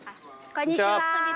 こんにちは。